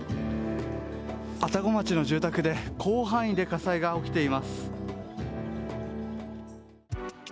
愛宕町の住宅で広範囲で火災が起きています。